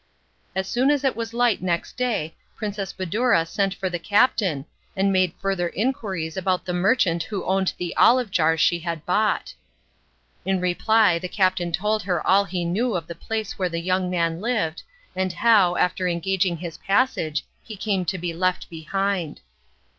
As soon as it was light next day the Princess Badoura sent for the captain, and made further inquiries about the merchant who owned the olive jars she had bought. In reply the captain told her all he knew of the place where the young man lived, and how, after engaging his passage, he came to be left behind.